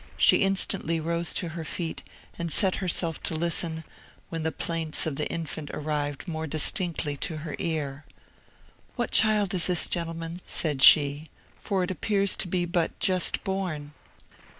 She instantly rose to her feet, and set herself to listen, when the plaints of the infant arrived more distinctly to her ear. "What child is this, gentlemen?" said she, "for it appears to be but just born."